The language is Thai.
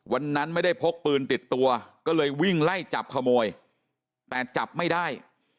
วันนั้นไม่ได้พกปืนติดตัวก็เลยวิ่งไล่จับขโมยแต่จับไม่ได้